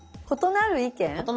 「○なる意見」。